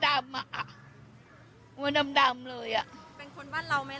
แล้วเขาบอกว่าไหน